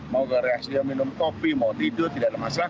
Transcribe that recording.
mau ke rahasia minum kopi mau tidur tidak ada masalah